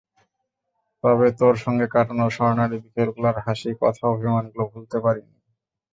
তবে তোর সঙ্গে কাটানো স্বর্ণালি বিকেলগুলোর হাসি, কথা, অভিমানগুলো ভুলতে পারিনি।